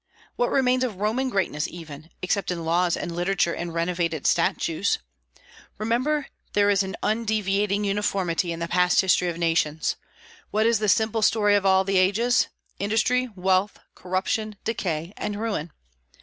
What remains of Roman greatness even, except in laws and literature and renovated statues? Remember there is an undeviating uniformity in the past history of nations. What is the simple story of all the ages? industry, wealth, corruption, decay, and ruin.